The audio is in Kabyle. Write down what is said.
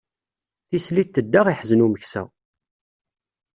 Tislit tedda iḥzen umeksa.